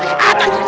gak tau tau nya pade